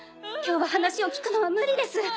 今日は話を聞くのは無理です。